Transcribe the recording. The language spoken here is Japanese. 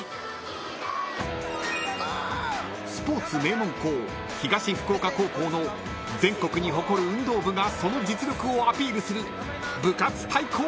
［スポーツ名門校東福岡高校の全国に誇る運動部がその実力をアピールする］